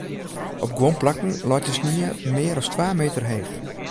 Op guon plakken leit de snie mear as twa meter heech.